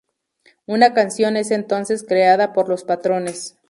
Una canción es entonces creada por los patrones.